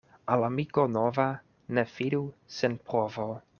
Al amiko nova ne fidu sen provo.